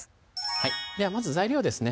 はいではまず材料ですね